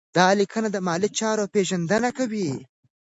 دا لیکنه د مالي چارو پیژندنه کوي.